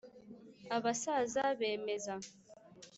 Abasaza bemeza